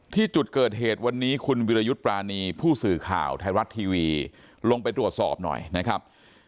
ที่จุดเกิดเหตุวันนี้คุณวิรยุทธ์ปรานีผู้สื่อข่าวไทยรัฐทีวีลงไปตรวจสอบหน่อยนะครับ